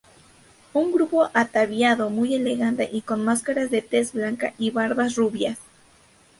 Un grupo ataviado muy elegante y con máscaras de tez blanca y barbas rubias.